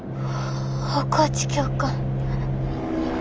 大河内教官。